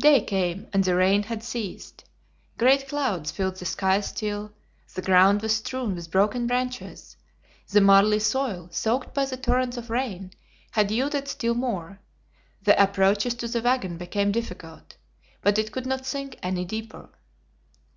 Day came, and the rain had ceased. Great clouds filled the sky still; the ground was strewn with broken branches; the marly soil, soaked by the torrents of rain, had yielded still more; the approaches to the wagon became difficult, but it could not sink any deeper.